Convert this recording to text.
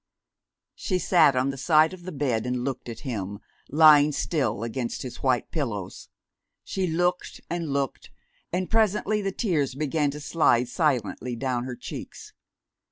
GOOD NIGHT, WALLIS"] She sat on the side of the bed and looked at him, lying still against his white pillows. She looked and looked, and presently the tears began to slide silently down her cheeks.